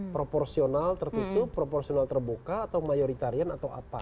proporsional tertutup proporsional terbuka atau mayoritarian atau apa